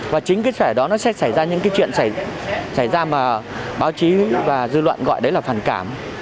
và chính cái vẻ đó nó sẽ xảy ra những cái chuyện xảy ra mà báo chí và dư luận gọi đấy là phản cảm